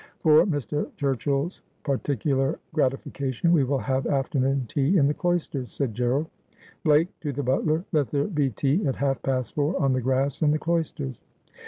' For Mr. Turchill's particular gratification, we will have afternoon tea in the cloisters,' said Gerald. ' Blake,' to the butler, ' let there be tea at half past four on the grass in the cloisters.'